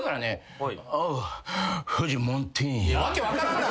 はい。